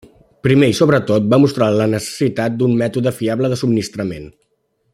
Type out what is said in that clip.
Primer i sobretot, va mostrar la necessitat d'un mètode fiable de subministrament.